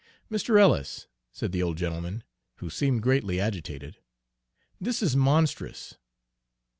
"Mr. Ellis," said the old gentleman, who seemed greatly agitated, "this is monstrous!"